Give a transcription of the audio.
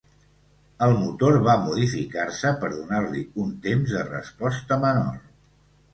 El motor va modificar-se per donar-li un temps de resposta menor.